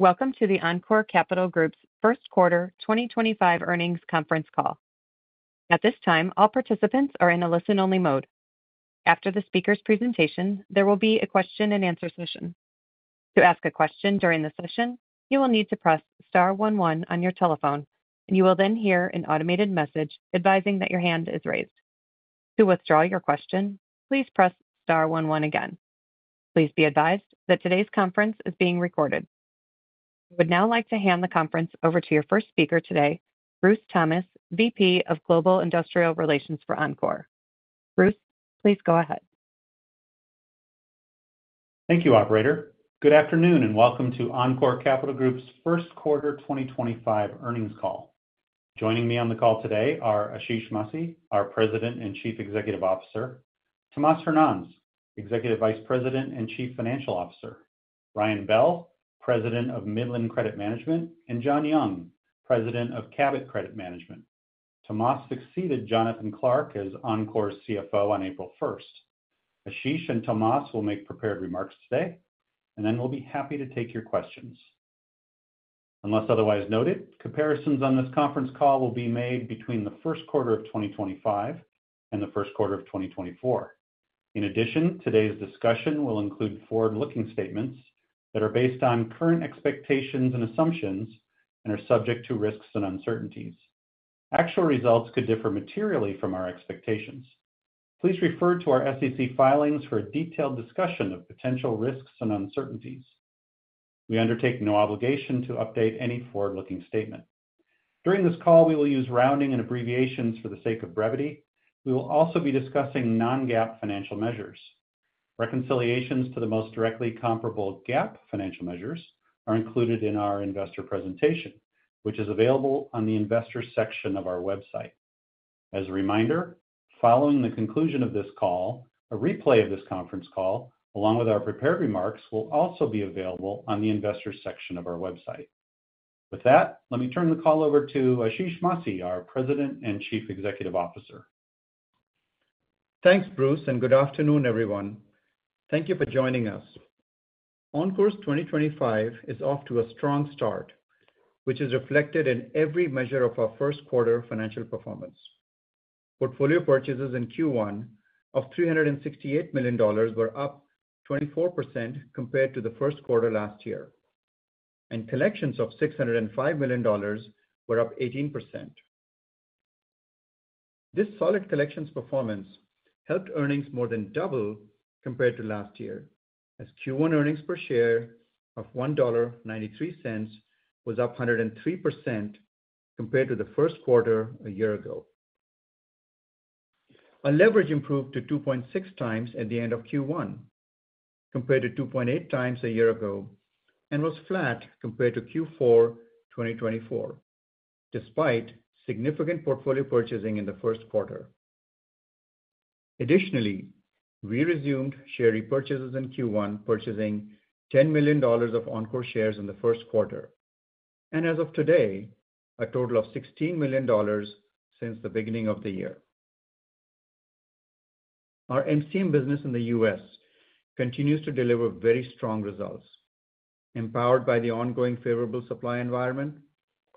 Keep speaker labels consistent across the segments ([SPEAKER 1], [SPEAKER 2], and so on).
[SPEAKER 1] Good day. Welcome to the Encore Capital Group's first quarter 2025 earnings conference call. At this time, all participants are in a listen-only mode. After the speaker's presentation, there will be a question-and-answer session. To ask a question during the session, you will need to press star one one on your telephone, and you will then hear an automated message advising that your hand is raised. To withdraw your question, please press star one one again. Please be advised that today's conference is being recorded. I would now like to hand the conference over to your first speaker today, Bruce Thomas, Vice President of Global Investor Relations for Encore. Bruce, please go ahead.
[SPEAKER 2] Thank you, Operator. Good afternoon and welcome to Encore Capital Group's first quarter 2025 earnings call. Joining me on the call today are Ashish Masih, our President and Chief Executive Officer; Tomas Hernanz, Executive Vice President and Chief Financial Officer; Ryan Bell, President of Midland Credit Management; and John Young, President of Cabot Credit Management. Tomas succeeded Jonathan Clark as Encore's CFO on April 1. Ashish and Tomas will make prepared remarks today, and then we'll be happy to take your questions. Unless otherwise noted, comparisons on this conference call will be made between the first quarter of 2025 and the first quarter of 2024. In addition, today's discussion will include forward-looking statements that are based on current expectations and assumptions and are subject to risks and uncertainties. Actual results could differ materially from our expectations. Please refer to our SEC filings for a detailed discussion of potential risks and uncertainties. We undertake no obligation to update any forward-looking statement. During this call, we will use rounding and abbreviations for the sake of brevity. We will also be discussing non-GAAP financial measures. Reconciliations to the most directly comparable GAAP financial measures are included in our investor presentation, which is available on the investor section of our website. As a reminder, following the conclusion of this call, a replay of this conference call, along with our prepared remarks, will also be available on the investor section of our website. With that, let me turn the call over to Ashish Masih, our President and Chief Executive Officer.
[SPEAKER 3] Thanks, Bruce, and good afternoon, everyone. Thank you for joining us. Encore's 2025 is off to a strong start, which is reflected in every measure of our first quarter financial performance. Portfolio purchases in Q1 of $368 million were up 24% compared to the first quarter last year, and collections of $605 million were up 18%. This solid collections performance helped earnings more than double compared to last year, as Q1 earnings per share of $1.93 was up 103% compared to the first quarter a year ago. Our leverage improved to 2.6x at the end of Q1 compared to 2.8x a year ago and was flat compared to Q4 2024, despite significant portfolio purchasing in the first quarter. Additionally, we resumed share repurchases in Q1, purchasing $10 million of Encore shares in the first quarter, and as of today, a total of $16 million since the beginning of the year. Our MCM business in the U.S. continues to deliver very strong results. Empowered by the ongoing favorable supply environment,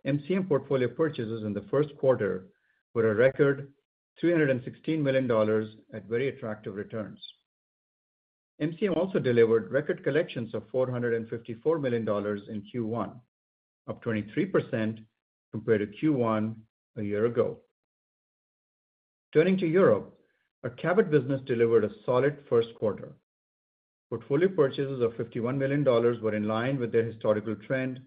[SPEAKER 3] MCM portfolio purchases in the first quarter were a record $316 million at very attractive returns. MCM also delivered record collections of $454 million in Q1, up 23% compared to Q1 a year ago. Turning to Europe, our Cabot business delivered a solid first quarter. Portfolio purchases of $51 million were in line with their historical trend.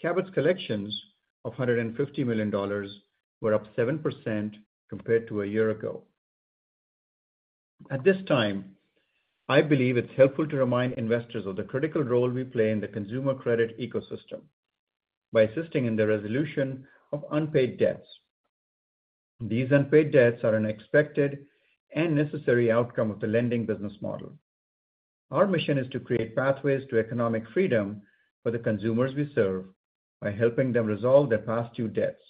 [SPEAKER 3] Cabot's collections of $150 million were up 7% compared to a year ago. At this time, I believe it's helpful to remind investors of the critical role we play in the consumer credit ecosystem by assisting in the resolution of unpaid debts. These unpaid debts are an expected and necessary outcome of the lending business model. Our mission is to create pathways to economic freedom for the consumers we serve by helping them resolve their past due debts.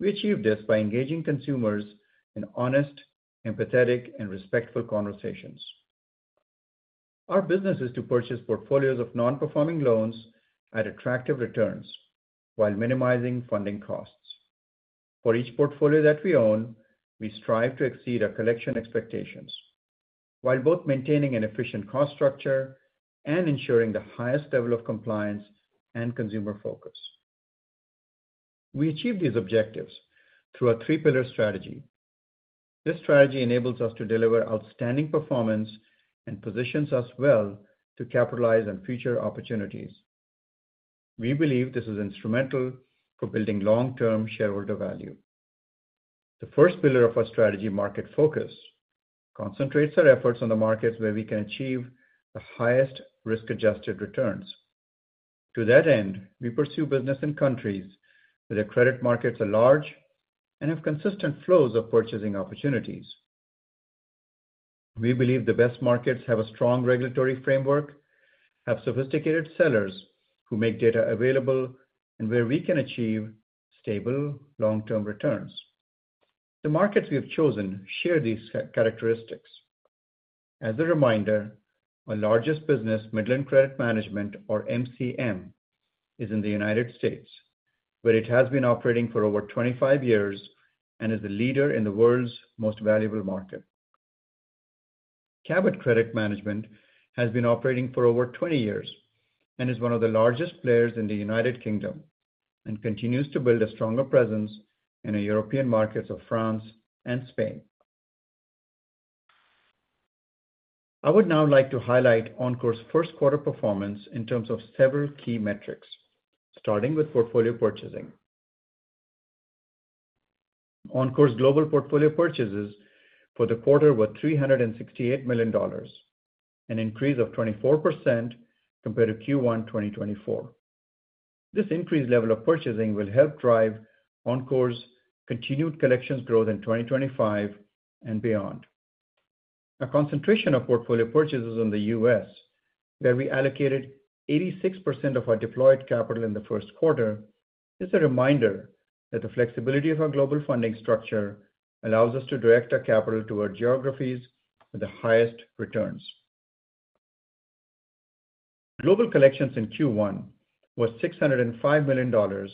[SPEAKER 3] We achieve this by engaging consumers in honest, empathetic, and respectful conversations. Our business is to purchase portfolios of non-performing loans at attractive returns while minimizing funding costs. For each portfolio that we own, we strive to exceed our collection expectations while both maintaining an efficient cost structure and ensuring the highest level of compliance and consumer focus. We achieve these objectives through a three-pillar strategy. This strategy enables us to deliver outstanding performance and positions us well to capitalize on future opportunities. We believe this is instrumental for building long-term shareholder value. The first pillar of our strategy, market focus, concentrates our efforts on the markets where we can achieve the highest risk-adjusted returns. To that end, we pursue business in countries where the credit markets are large and have consistent flows of purchasing opportunities. We believe the best markets have a strong regulatory framework, have sophisticated sellers who make data available, and where we can achieve stable long-term returns. The markets we have chosen share these characteristics. As a reminder, our largest business, Midland Credit Management, or MCM, is in the United States, where it has been operating for over 25 years and is the leader in the world's most valuable market. Cabot Credit Management has been operating for over 20 years and is one of the largest players in the United Kingdom and continues to build a stronger presence in the European markets of France and Spain. I would now like to highlight Encore's first quarter performance in terms of several key metrics, starting with portfolio purchasing. Encore's global portfolio purchases for the quarter were $368 million, an increase of 24% compared to Q1 2024. This increased level of purchasing will help drive Encore's continued collections growth in 2025 and beyond. Our concentration of portfolio purchases in the U.S., where we allocated 86% of our deployed capital in the first quarter, is a reminder that the flexibility of our global funding structure allows us to direct our capital toward geographies with the highest returns. Global collections in Q1 were $605 million,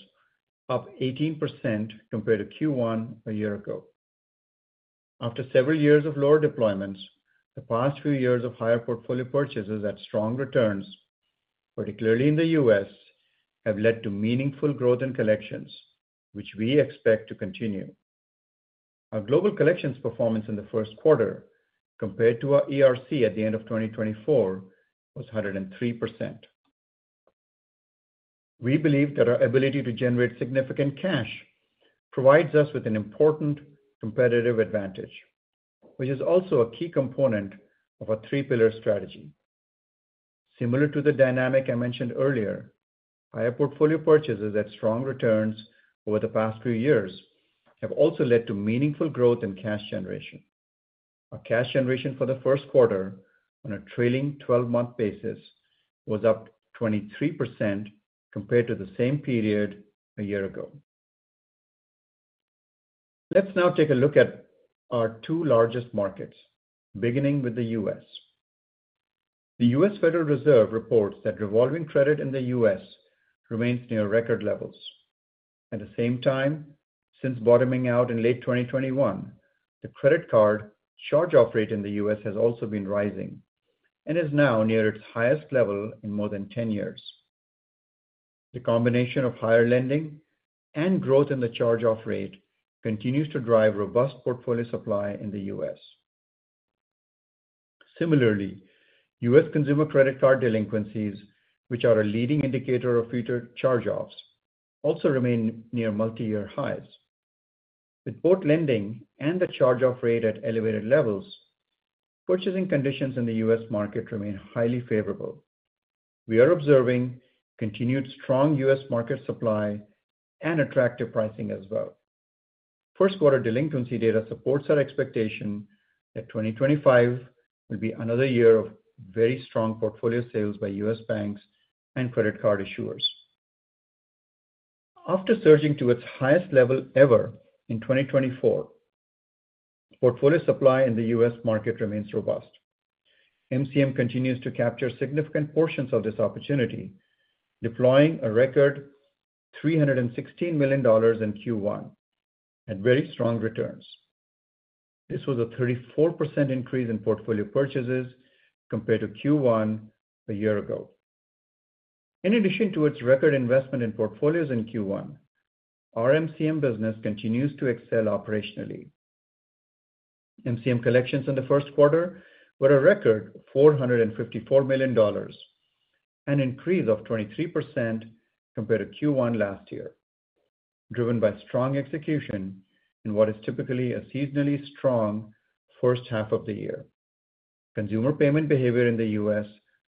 [SPEAKER 3] up 18% compared to Q1 a year ago. After several years of lower deployments, the past few years of higher portfolio purchases at strong returns, particularly in the U.S., have led to meaningful growth in collections, which we expect to continue. Our global collections performance in the first quarter compared to our ERC at the end of 2024 was 103%. We believe that our ability to generate significant cash provides us with an important competitive advantage, which is also a key component of our three-pillar strategy. Similar to the dynamic I mentioned earlier, higher portfolio purchases at strong returns over the past few years have also led to meaningful growth in cash generation. Our cash generation for the first quarter, on a trailing 12-month basis, was up 23% compared to the same period a year ago. Let's now take a look at our two largest markets, beginning with the U.S. The U.S. Federal Reserve reports that revolving credit in the U.S. remains near record levels. At the same time, since bottoming out in late 2021, the credit card charge-off rate in the U.S. has also been rising and is now near its highest level in more than 10 years. The combination of higher lending and growth in the charge-off rate continues to drive robust portfolio supply in the U.S. Similarly, U.S. consumer credit card delinquencies, which are a leading indicator of future charge-offs, also remain near multi-year highs. With both lending and the charge-off rate at elevated levels, purchasing conditions in the U.S. market remain highly favorable. We are observing continued strong U.S. market supply and attractive pricing as well. First-quarter delinquency data supports our expectation that 2025 will be another year of very strong portfolio sales by U.S. banks and credit card issuers. After surging to its highest level ever in 2024, portfolio supply in the U.S. market remains robust. MCM continues to capture significant portions of this opportunity, deploying a record $316 million in Q1 at very strong returns. This was a 34% increase in portfolio purchases compared to Q1 a year ago. In addition to its record investment in portfolios in Q1, our MCM business continues to excel operationally. MCM collections in the first quarter were a record $454 million, an increase of 23% compared to Q1 last year, driven by strong execution in what is typically a seasonally strong first half of the year. Consumer payment behavior in the U.S.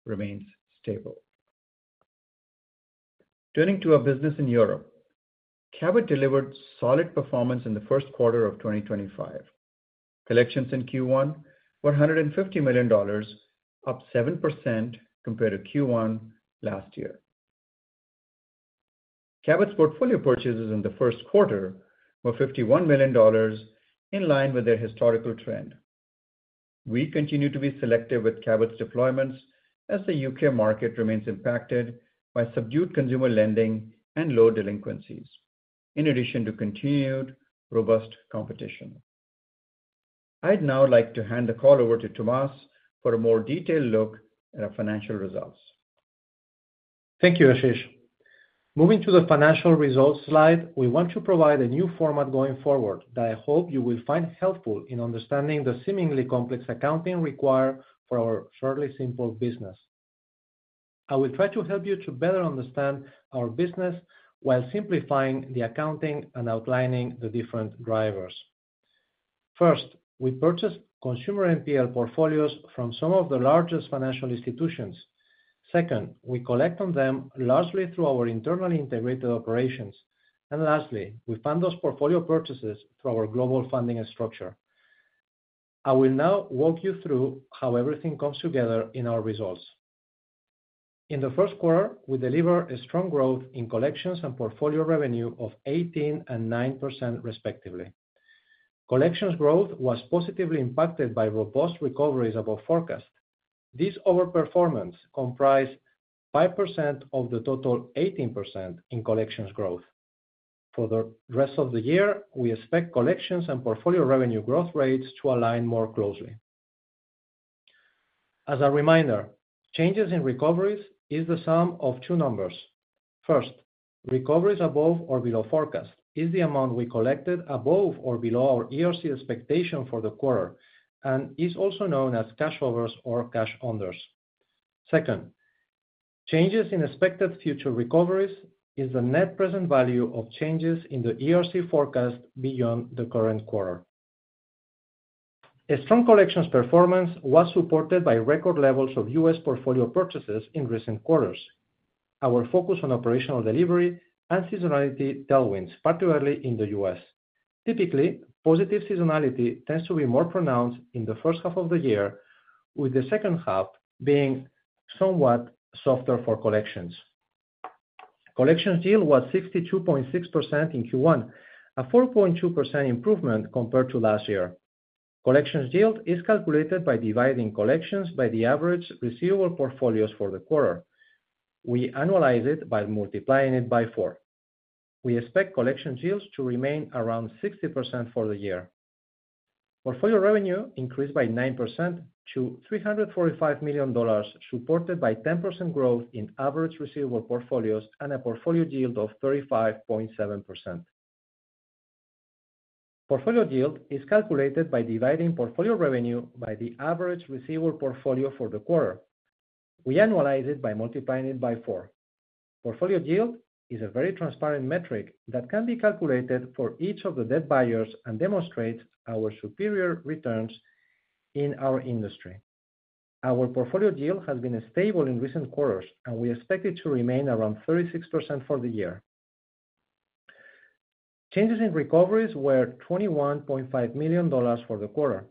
[SPEAKER 3] remains stable. Turning to our business in Europe, Cabot delivered solid performance in the first quarter of 2025. Collections in Q1 were $150 million, up 7% compared to Q1 last year. Cabot's portfolio purchases in the first quarter were $51 million, in line with their historical trend. We continue to be selective with Cabot's deployments as the U.K. market remains impacted by subdued consumer lending and low delinquencies, in addition to continued robust competition. I'd now like to hand the call over to Tomas for a more detailed look at our financial results.
[SPEAKER 4] Thank you, Ashish. Moving to the financial results slide, we want to provide a new format going forward that I hope you will find helpful in understanding the seemingly complex accounting required for our fairly simple business. I will try to help you to better understand our business while simplifying the accounting and outlining the different drivers. First, we purchase consumer NPL portfolios from some of the largest financial institutions. Second, we collect on them largely through our internal integrated operations. Lastly, we fund those portfolio purchases through our global funding structure. I will now walk you through how everything comes together in our results. In the first quarter, we delivered strong growth in collections and portfolio revenue of 18% and 9%, respectively. Collections growth was positively impacted by robust recoveries above forecast. This overperformance comprised 5% of the total 18% in collections growth. For the rest of the year, we expect collections and portfolio revenue growth rates to align more closely. As a reminder, changes in recoveries are the sum of two numbers. First, recoveries above or below forecast are the amount we collected above or below our ERC expectation for the quarter, and are also known as cashovers or cashunders. Second, changes in expected future recoveries are the net present value of changes in the ERC forecast beyond the current quarter. A strong collections performance was supported by record levels of U.S. portfolio purchases in recent quarters. Our focus on operational delivery and seasonality dynamics, particularly in the U.S. Typically, positive seasonality tends to be more pronounced in the first half of the year, with the second half being somewhat softer for collections. Collections yield was 62.6% in Q1, a 4.2% improvement compared to last year. Collections yield is calculated by dividing collections by the average receivable portfolios for the quarter. We analyze it by multiplying it by four. We expect collections yields to remain around 60% for the year. Portfolio revenue increased by 9% to $345 million, supported by 10% growth in average receivable portfolios and a portfolio yield of 35.7%. Portfolio yield is calculated by dividing portfolio revenue by the average receivable portfolio for the quarter. We analyze it by multiplying it by four. Portfolio yield is a very transparent metric that can be calculated for each of the debt buyers and demonstrates our superior returns in our industry. Our portfolio yield has been stable in recent quarters, and we expect it to remain around 36% for the year. Changes in recoveries were $21.5 million for the quarter.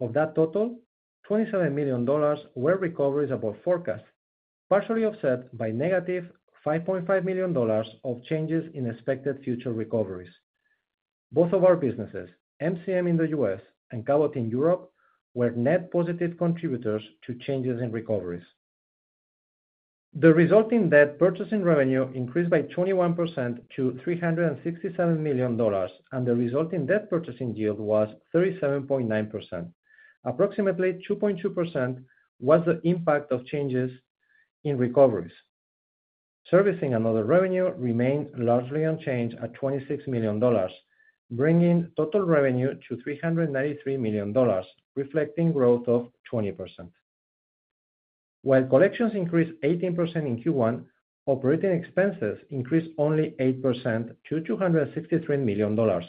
[SPEAKER 4] Of that total, $27 million were recoveries above forecast, partially offset by -$5.5 million of changes in expected future recoveries. Both of our businesses, MCM in the U.S. and Cabot in Europe, were net positive contributors to changes in recoveries. The resulting debt purchasing revenue increased by 21% to $367 million, and the resulting debt purchasing yield was 37.9%. Approximately 2.2% was the impact of changes in recoveries. Servicing and other revenue remained largely unchanged at $26 million, bringing total revenue to $393 million, reflecting growth of 20%. While collections increased 18% in Q1, operating expenses increased only 8% to $263 million,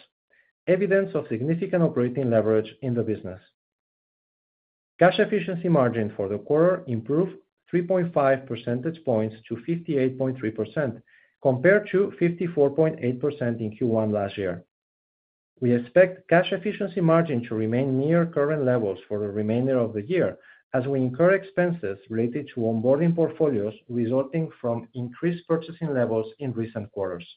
[SPEAKER 4] evidence of significant operating leverage in the business. Cash efficiency margin for the quarter improved 3.5 percentage points to 58.3%, compared to 54.8% in Q1 last year. We expect cash efficiency margin to remain near current levels for the remainder of the year, as we incur expenses related to onboarding portfolios resulting from increased purchasing levels in recent quarters.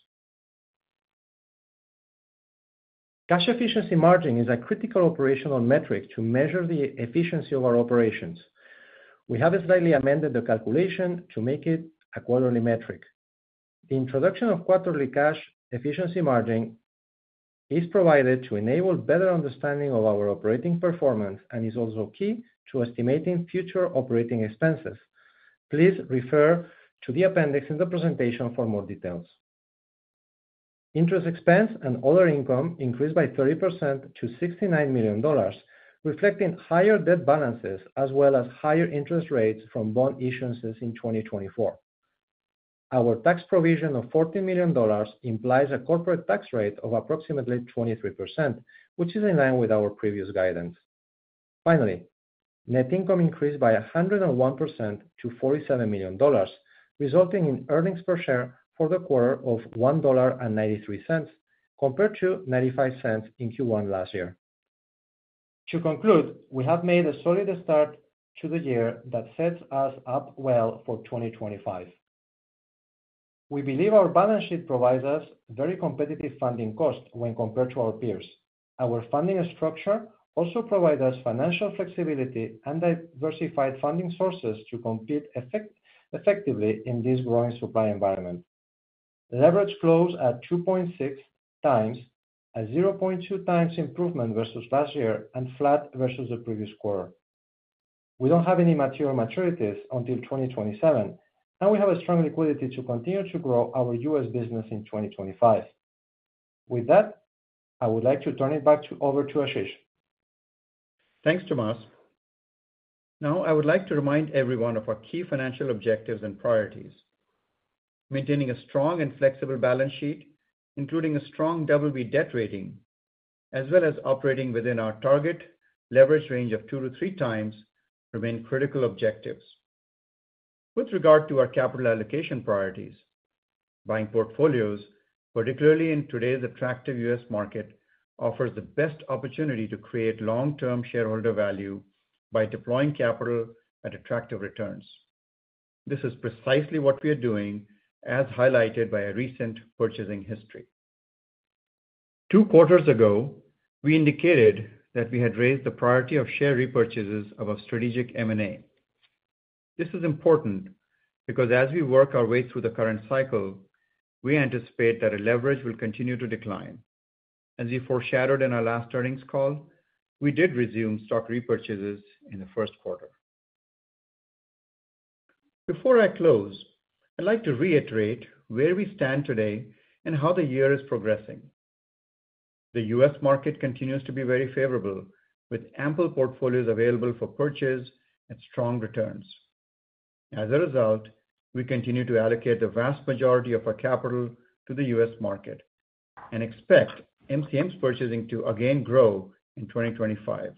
[SPEAKER 4] Cash efficiency margin is a critical operational metric to measure the efficiency of our operations. We have slightly amended the calculation to make it a quarterly metric. The introduction of quarterly cash efficiency margin is provided to enable better understanding of our operating performance and is also key to estimating future operating expenses. Please refer to the appendix in the presentation for more details. Interest expense and other income increased by 30% to $69 million, reflecting higher debt balances as well as higher interest rates from bond issuances in 2024. Our tax provision of $14 million implies a corporate tax rate of approximately 23%, which is in line with our previous guidance. Finally, net income increased by 101% to $47 million, resulting in earnings per share for the quarter of $1.93, compared to $0.95 in Q1 last year. To conclude, we have made a solid start to the year that sets us up well for 2025. We believe our balance sheet provides us very competitive funding costs when compared to our peers. Our funding structure also provides us financial flexibility and diversified funding sources to compete effectively in this growing supply environment. Leverage flows at 2.6x, a 0.2x improvement versus last year, and flat versus the previous quarter. We do not have any material maturities until 2027, and we have strong liquidity to continue to grow our U.S. business in 2025. With that, I would like to turn it back over to Ashish.
[SPEAKER 3] Thanks, Tomas. Now, I would like to remind everyone of our key financial objectives and priorities. Maintaining a strong and flexible balance sheet, including a strong WB debt rating, as well as operating within our target leverage range of 2x-3x, remain critical objectives. With regard to our capital allocation priorities, buying portfolios, particularly in today's attractive US market, offers the best opportunity to create long-term shareholder value by deploying capital at attractive returns. This is precisely what we are doing, as highlighted by our recent purchasing history. Two quarters ago, we indicated that we had raised the priority of share repurchases above strategic M&A. This is important because, as we work our way through the current cycle, we anticipate that leverage will continue to decline. As we foreshadowed in our last earnings call, we did resume stock repurchases in the first quarter. Before I close, I'd like to reiterate where we stand today and how the year is progressing. The U.S. market continues to be very favorable, with ample portfolios available for purchase and strong returns. As a result, we continue to allocate the vast majority of our capital to the U.S. market and expect MCM's purchasing to again grow in 2025.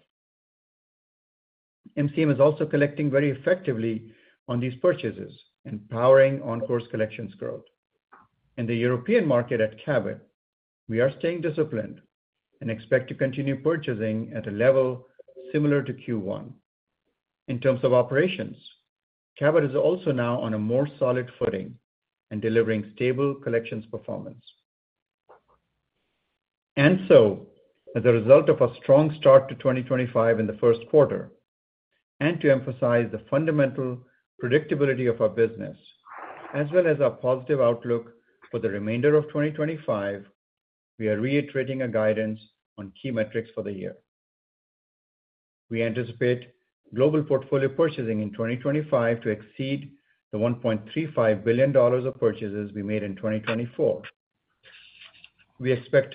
[SPEAKER 3] MCM is also collecting very effectively on these purchases, empowering Encore's collections growth. In the European market at Cabot, we are staying disciplined and expect to continue purchasing at a level similar to Q1. In terms of operations, Cabot is also now on a more solid footing and delivering stable collections performance. As a result of our strong start to 2025 in the first quarter, and to emphasize the fundamental predictability of our business, as well as our positive outlook for the remainder of 2025, we are reiterating our guidance on key metrics for the year. We anticipate global portfolio purchasing in 2025 to exceed the $1.35 billion of purchases we made in 2024. We expect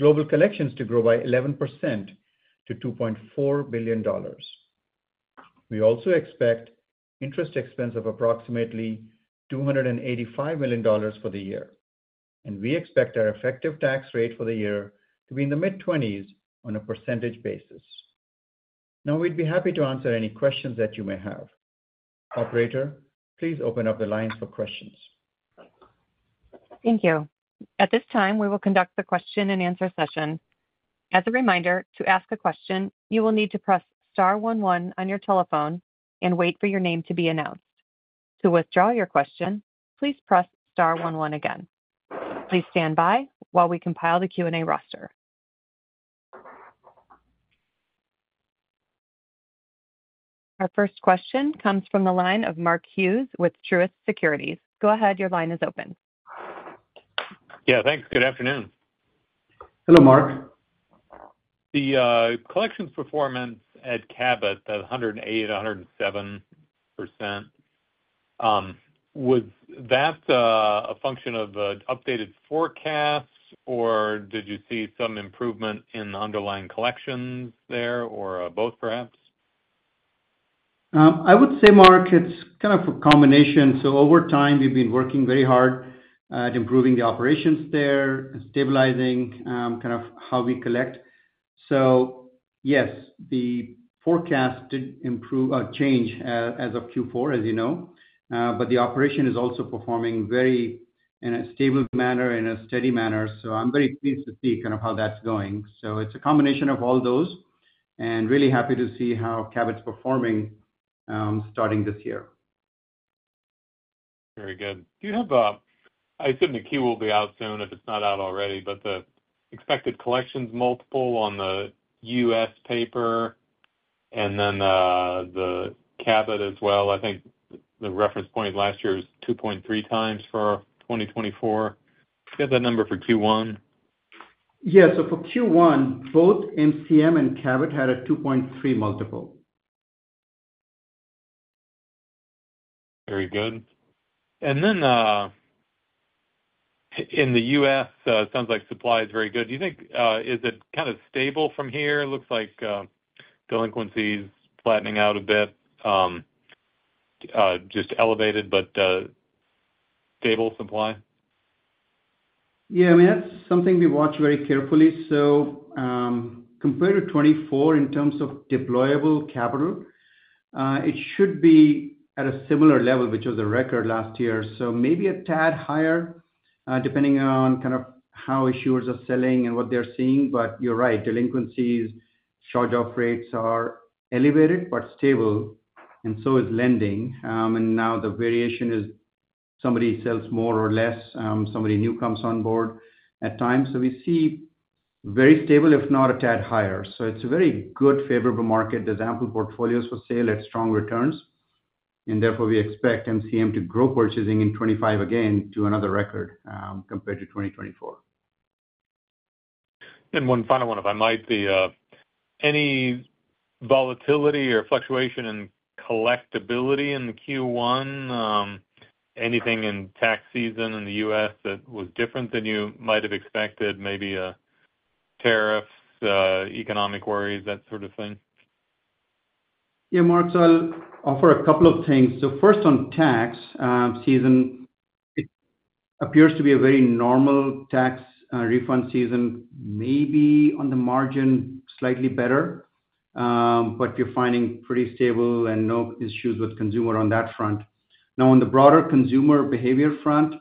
[SPEAKER 3] global collections to grow by 11% to $2.4 billion. We also expect interest expense of approximately $285 million for the year. We expect our effective tax rate for the year to be in the mid-20s on a percentage basis. Now, we'd be happy to answer any questions that you may have. Operator, please open up the lines for questions.
[SPEAKER 1] Thank you. At this time, we will conduct the question and answer session. As a reminder, to ask a question, you will need to press star one one on your telephone and wait for your name to be announced. To withdraw your question, please press star one one again. Please stand by while we compile the Q&A roster. Our first question comes from the line of Mark Hughes with Truist Securities. Go ahead. Your line is open.
[SPEAKER 5] Yeah, thanks. Good afternoon.
[SPEAKER 4] Hello, Mark.
[SPEAKER 5] The collections performance at Cabot, the 108%, 107%, was that a function of updated forecasts, or did you see some improvement in the underlying collections there, or both perhaps?
[SPEAKER 4] I would say, Mark, it's kind of a combination. Over time, we've been working very hard at improving the operations there and stabilizing kind of how we collect. Yes, the forecast did change as of Q4, as you know, but the operation is also performing in a very stable manner, in a steady manner. I'm very pleased to see kind of how that's going. It's a combination of all those, and really happy to see how Cabot's performing starting this year.
[SPEAKER 5] Very good. I assume the key will be out soon, if it's not out already, but the expected collections multiple on the US paper and then the Cabot as well. I think the reference point last year was 2.3x for 2024. You have that number for Q1?
[SPEAKER 4] Yeah. So for Q1, both MCM and Cabot had a 2.3x multiple.
[SPEAKER 5] Very good. In the U.S., it sounds like supply is very good. Do you think is it kind of stable from here? Looks like delinquencies flattening out a bit, just elevated, but stable supply?
[SPEAKER 4] Yeah. I mean, that's something we watch very carefully. Compared to 2024, in terms of deployable capital, it should be at a similar level, which was a record last year. Maybe a tad higher, depending on kind of how issuers are selling and what they're seeing. You're right. Delinquencies, shortage of rates are elevated but stable, and lending is as well. Now the variation is somebody sells more or less, somebody new comes on board at times. We see very stable, if not a tad higher. It's a very good, favorable market. There's ample portfolios for sale at strong returns. Therefore, we expect MCM to grow purchasing in 2025 again to another record compared to 2024.
[SPEAKER 5] One final one, if I might. Any volatility or fluctuation in collectibility in Q1? Anything in tax season in the U.S. that was different than you might have expected? Maybe tariffs, economic worries, that sort of thing?
[SPEAKER 4] Yeah, Mark, so I'll offer a couple of things. First, on tax season, it appears to be a very normal tax refund season, maybe on the margin slightly better, but we're finding pretty stable and no issues with consumer on that front. Now, on the broader consumer behavior front,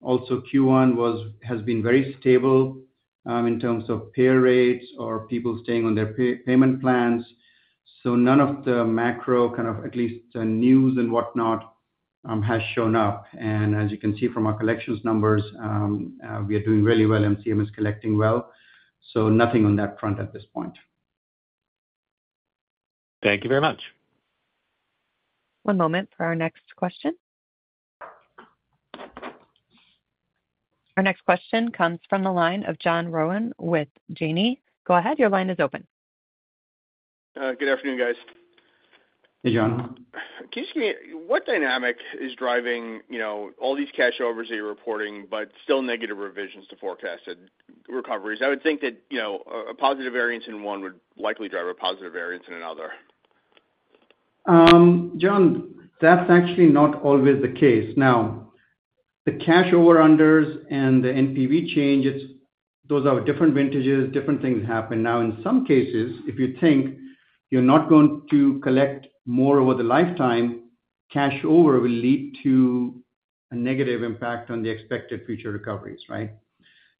[SPEAKER 4] also Q1 has been very stable in terms of pay rates or people staying on their payment plans. None of the macro kind of, at least the news and whatnot, has shown up. As you can see from our collections numbers, we are doing really well. MCM is collecting well. Nothing on that front at this point.
[SPEAKER 5] Thank you very much.
[SPEAKER 1] One moment for our next question. Our next question comes from the line of John Rowan with Janney. Go ahead. Your line is open.
[SPEAKER 6] Good afternoon, guys.
[SPEAKER 4] Hey, John.
[SPEAKER 6] Can you explain what dynamic is driving all these cashovers that you're reporting, but still negative revisions to forecasted recoveries? I would think that a positive variance in one would likely drive a positive variance in another.
[SPEAKER 4] John, that's actually not always the case. Now, the cash over-unders and the NPV changes, those are different vintages. Different things happen. In some cases, if you think you're not going to collect more over the lifetime, cash over will lead to a negative impact on the expected future recoveries, right?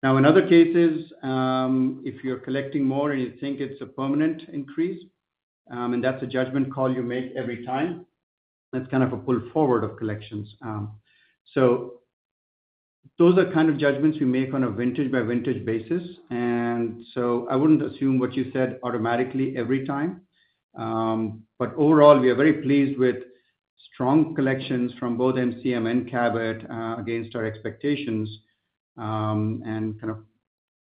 [SPEAKER 4] In other cases, if you're collecting more and you think it's a permanent increase, and that's a judgment call you make every time, that's kind of a pull forward of collections. Those are kind of judgments we make on a vintage-by-vintage basis. I wouldn't assume what you said automatically every time. Overall, we are very pleased with strong collections from both MCM and Cabot against our expectations.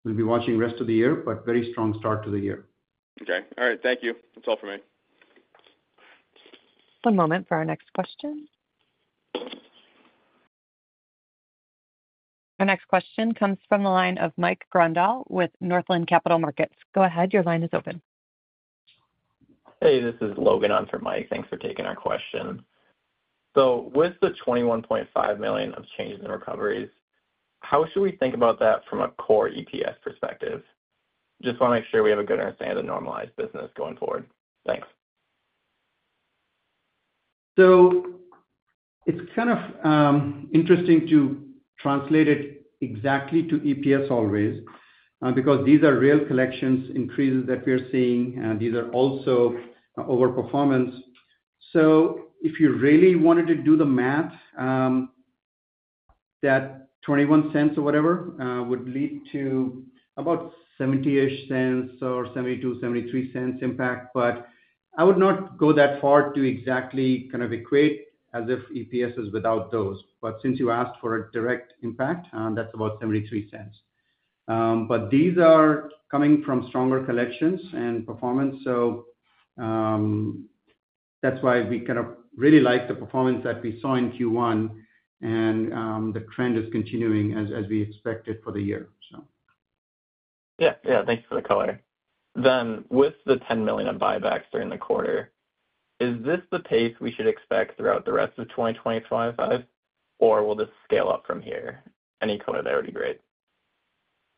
[SPEAKER 4] We'll be watching the rest of the year, but very strong start to the year.
[SPEAKER 6] Okay. All right. Thank you. That's all for me.
[SPEAKER 1] One moment for our next question. Our next question comes from the line of Mike Grondal with Northland Capital Markets. Go ahead. Your line is open.
[SPEAKER 7] Hey, this is Logan on for Mike. Thanks for taking our question. With the $21.5 million of changes in recoveries, how should we think about that from a core EPS perspective? Just want to make sure we have a good understanding of the normalized business going forward. Thanks.
[SPEAKER 4] It's kind of interesting to translate it exactly to EPS always, because these are real collections increases that we are seeing. These are also overperformance. If you really wanted to do the math, that $0.21 or whatever would lead to about $0.70-ish or $0.72, $0.73 impact. I would not go that far to exactly kind of equate as if EPS is without those. Since you asked for a direct impact, that's about $0.73. These are coming from stronger collections and performance. That's why we kind of really like the performance that we saw in Q1. The trend is continuing as we expected for the year, so.
[SPEAKER 7] Yeah. Yeah. Thanks for the color. With the $10 million buybacks during the quarter, is this the pace we should expect throughout the rest of 2025, or will this scale up from here? Any color there would be great.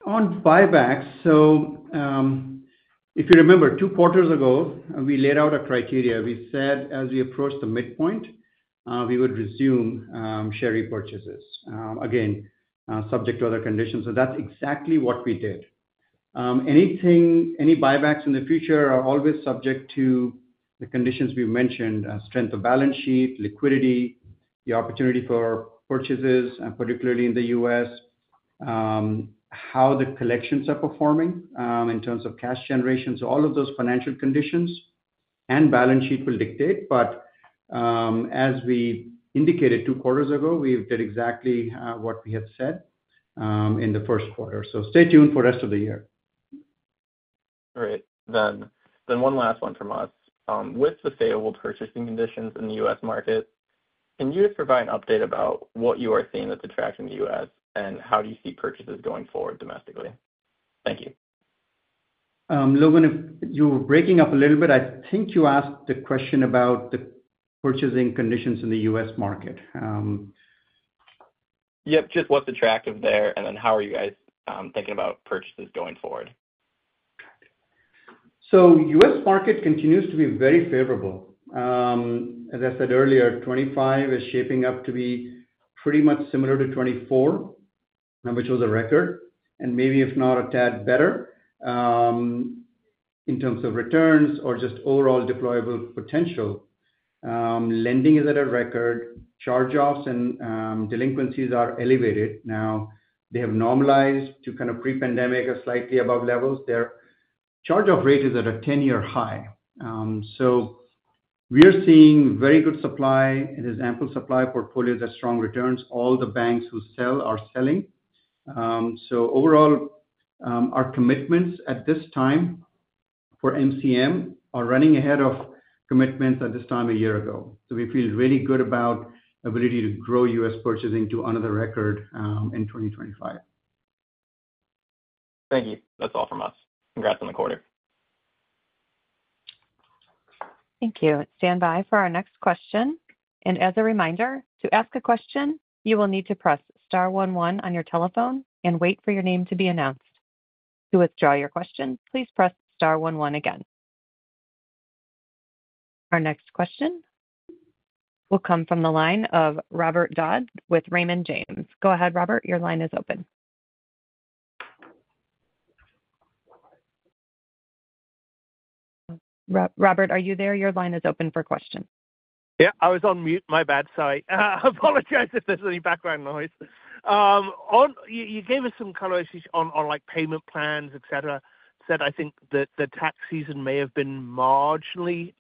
[SPEAKER 4] On buybacks, so if you remember, two quarters ago, we laid out a criteria. We said as we approach the midpoint, we would resume share repurchases, again, subject to other conditions. That is exactly what we did. Any buybacks in the future are always subject to the conditions we have mentioned: strength of balance sheet, liquidity, the opportunity for purchases, particularly in the U.S., how the collections are performing in terms of cash generation. All of those financial conditions and balance sheet will dictate. As we indicated two quarters ago, we did exactly what we had said in the first quarter. Stay tuned for the rest of the year.
[SPEAKER 7] All right. One last one from us. With the saleable purchasing conditions in the U.S. market, can you just provide an update about what you are seeing that is attracting the U.S., and how do you see purchases going forward domestically? Thank you.
[SPEAKER 4] Logan, if you're breaking up a little bit, I think you asked the question about the purchasing conditions in the U.S. market.
[SPEAKER 7] Yep. Just what's attractive there, and then how are you guys thinking about purchases going forward?
[SPEAKER 4] The U.S. market continues to be very favorable. As I said earlier, 2025 is shaping up to be pretty much similar to 2024, which was a record, and maybe, if not a tad better in terms of returns or just overall deployable potential. Lending is at a record. Charge-offs and delinquencies are elevated. Now, they have normalized to kind of pre-pandemic or slightly above levels. Their charge-off rate is at a 10-year high. We are seeing very good supply. It is ample supply portfolios that are strong returns. All the banks who sell are selling. Overall, our commitments at this time for MCM are running ahead of commitments at this time a year ago. We feel really good about the ability to grow U.S. purchasing to another record in 2025.
[SPEAKER 7] Thank you. That's all from us. Congrats on the quarter.
[SPEAKER 1] Thank you. Stand by for our next question. As a reminder, to ask a question, you will need to press star one one on your telephone and wait for your name to be announced. To withdraw your question, please press star one one again. Our next question will come from the line of Robert Dodd with Raymond James. Go ahead, Robert. Your line is open. Robert, are you there? Your line is open for questions.
[SPEAKER 8] Yeah. I was on mute. My bad. Sorry. I apologize if there's any background noise. You gave us some color on payment plans, etc. Said I think that the tax season may have been marginally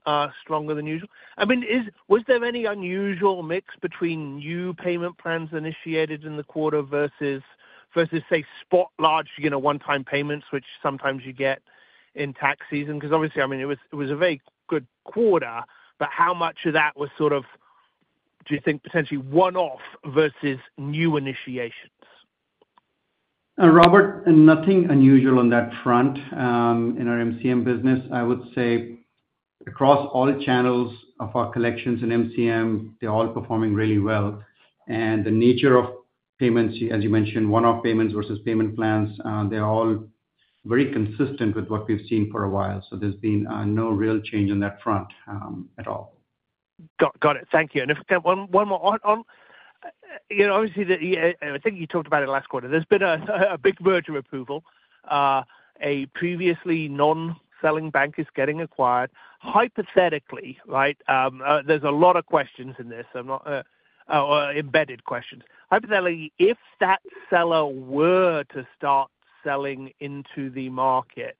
[SPEAKER 8] stronger than usual. I mean, was there any unusual mix between new payment plans initiated in the quarter versus, say, spot large one-time payments, which sometimes you get in tax season? Because obviously, I mean, it was a very good quarter, but how much of that was sort of, do you think, potentially one-off versus new initiations?
[SPEAKER 4] Robert, nothing unusual on that front. In our MCM business, I would say across all channels of our collections in MCM, they're all performing really well. The nature of payments, as you mentioned, one-off payments versus payment plans, they're all very consistent with what we've seen for a while. There has been no real change on that front at all.
[SPEAKER 8] Got it. Thank you. If I can have one more on obviously, I think you talked about it last quarter. There has been a big merger approval. A previously non-selling bank is getting acquired. Hypothetically, right, there are a lot of questions in this, embedded questions. Hypothetically, if that seller were to start selling into the market,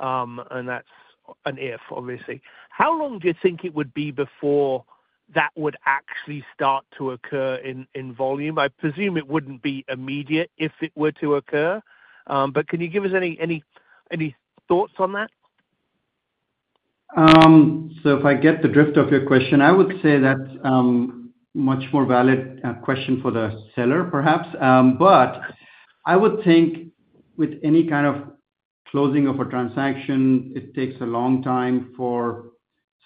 [SPEAKER 8] and that is an if, obviously, how long do you think it would be before that would actually start to occur in volume? I presume it would not be immediate if it were to occur. Can you give us any thoughts on that?
[SPEAKER 4] If I get the drift of your question, I would say that's a much more valid question for the seller, perhaps. I would think with any kind of closing of a transaction, it takes a long time for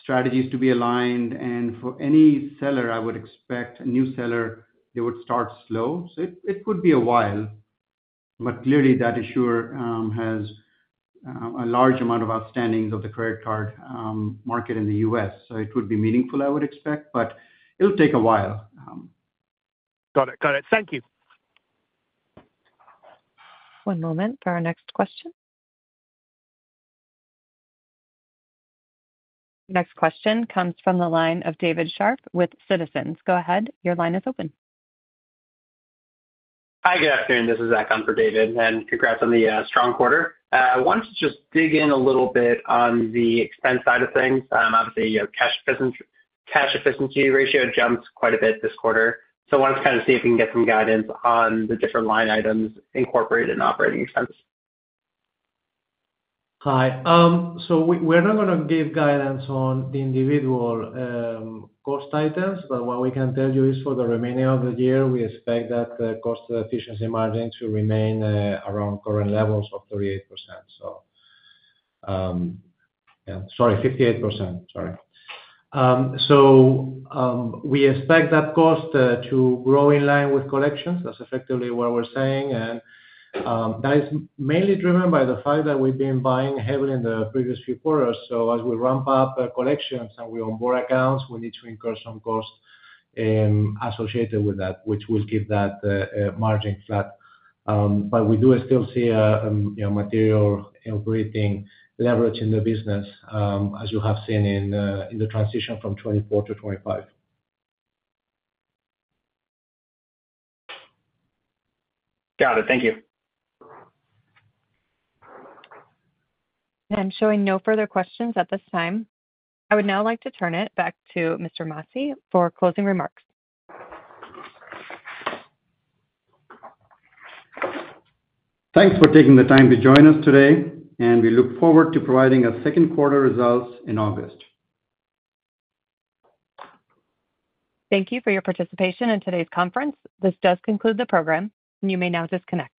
[SPEAKER 4] strategies to be aligned. For any seller, I would expect a new seller, they would start slow. It could be a while. Clearly, that issuer has a large amount of outstandings of the credit card market in the U.S. It would be meaningful, I would expect. It'll take a while.
[SPEAKER 8] Got it. Got it. Thank you.
[SPEAKER 1] One moment for our next question. Next question comes from the line of David Sharp with Citizens. Go ahead. Your line is open.
[SPEAKER 9] Hi, good afternoon. This is Zach on for David. Congrats on the strong quarter. I wanted to just dig in a little bit on the expense side of things. Obviously, cash efficiency ratio jumps quite a bit this quarter. I wanted to kind of see if we can get some guidance on the different line items incorporated in operating expense.
[SPEAKER 4] Hi. We're not going to give guidance on the individual cost items. What we can tell you is for the remainder of the year, we expect that the cost efficiency margin to remain around current levels of 38%. Yeah, sorry, 58%. Sorry. We expect that cost to grow in line with collections. That's effectively what we're saying. That is mainly driven by the fact that we've been buying heavily in the previous few quarters. As we ramp up collections and we onboard accounts, we need to incur some cost associated with that, which will keep that margin flat. We do still see a material operating leverage in the business, as you have seen in the transition from 2024 to 2025.
[SPEAKER 9] Got it. Thank you.
[SPEAKER 1] I'm showing no further questions at this time. I would now like to turn it back to Mr. Masih for closing remarks.
[SPEAKER 4] Thanks for taking the time to join us today. We look forward to providing our second quarter results in August.
[SPEAKER 1] Thank you for your participation in today's conference. This does conclude the program. You may now disconnect.